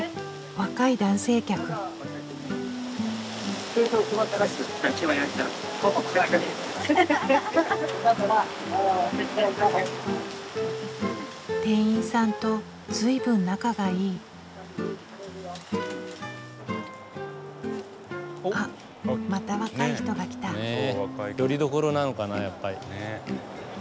若い男性客店員さんと随分仲がいいあっまた若い人が来たよりどころなのかなやっぱり。